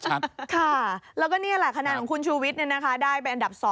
ค่ะแล้วก็นี่แหละคะแนนของคุณชูวิทย์ได้เป็นอันดับ๒